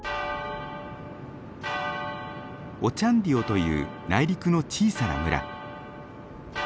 オチャンディオという内陸の小さな村。